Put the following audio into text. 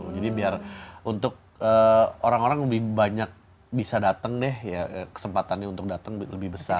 jadi biar untuk orang orang lebih banyak bisa datang deh ya kesempatannya untuk datang lebih besar